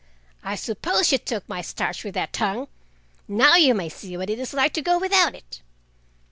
"I suppose you took my starch with that tongue! Now you may see what it is like to go without it!"